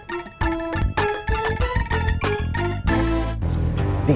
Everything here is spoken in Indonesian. ke rumah bang batjah